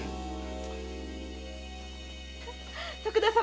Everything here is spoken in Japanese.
徳田様